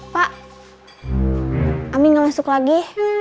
pak amin gak masuk lagi